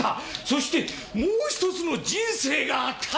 そしてもう１つの人生があった！